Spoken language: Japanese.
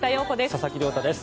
佐々木亮太です。